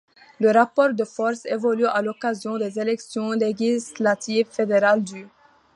Le rapport de force évolue à l'occasion des élections législatives fédérales du.